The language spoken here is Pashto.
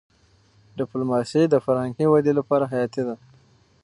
ډيپلوماسي د فرهنګي ودي لپاره حياتي ده.